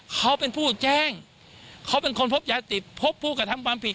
เขาเป็นผู้แจ้งเขาเป็นคนพบยาติดพบผู้กระทำความผิด